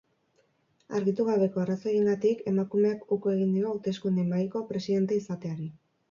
Argitu gabeko arrazoiengatik, emakumeak uko egin dio hauteskunde-mahaiko presidente izateari.